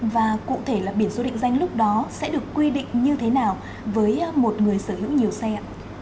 và cụ thể là biển số định danh lúc đó sẽ được quy định như thế nào với một người sở hữu nhiều xe ạ